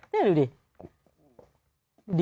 นี่ดูดิ